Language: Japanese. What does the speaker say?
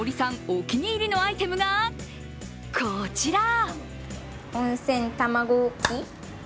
お気に入りのアイテムがこちら。